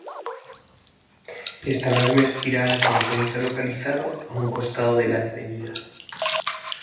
Este enorme espiral se encuentra localizado a un costado de la Av.